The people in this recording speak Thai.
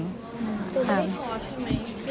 ไม่ได้ท้อใช่ไหม